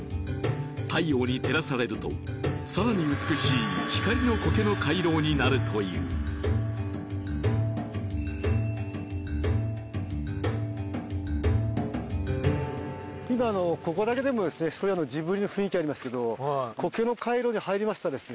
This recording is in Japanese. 太陽に照らされるとさらに美しい「光の苔の回廊」になるという今あのここだけでもですねジブリの雰囲気ありますけど苔の回廊に入りますとですね